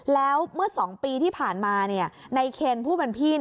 แล้วเมื่อ๒ปีที่ผ่านมาในเคนผู้เป็นพี่